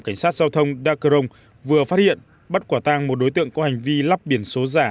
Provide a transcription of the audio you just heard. cảnh sát giao thông da crong vừa phát hiện bắt quả tang một đối tượng có hành vi lắp biển số giả